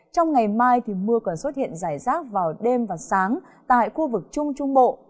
trong ngày mai thì mưa còn xuất hiện rải rác vào đêm và sáng tại khu vực trung trung bộ